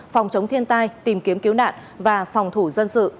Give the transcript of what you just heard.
phòng chống thiên tai tìm kiếm cứu nạn và phòng thủ dân sự